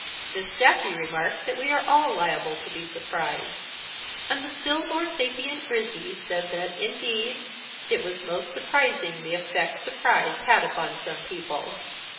Miss Jacky remarked that we are all liable to be surprised; and the still more sapient Grizzy said that, indeed, it was most surprising the effect that surprise had upon some people.